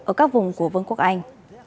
ở các vùng của vương quốc anh